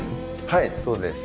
はいそうです。